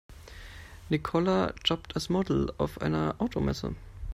Nicola jobbt als Model auf einer Automesse.